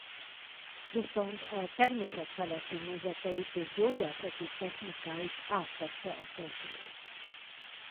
Viszont a természetfeletti nézeteit és gyógyászati technikáit átvette a köznép.